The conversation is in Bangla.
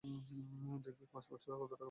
দেখবি পাঁচ বছরে কত টাকা এনে ফেলতে পারবি।